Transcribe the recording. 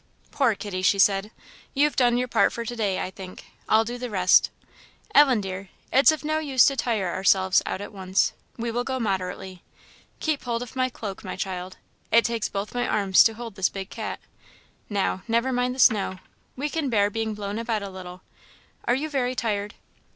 "Poor kitty!" she said, "you've done your part for to day, I think; I'll do the rest. Ellen, dear, it's of no use to tire ourselves out at once; we will go moderately. Keep hold of my cloak, my child; it takes both of my arms to hold this big cat. Now, never mind the snow; we can bear being blown about a little; are you very tired?"